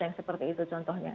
yang seperti itu contohnya